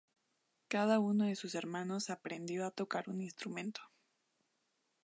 Cada uno de sus hermanos aprendió a tocar un instrumento.